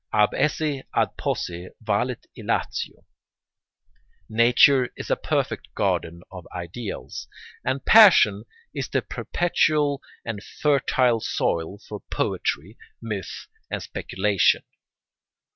Ab esse ad posse valet illatio. Nature is a perfect garden of ideals, and passion is the perpetual and fertile soil for poetry, myth, and speculation.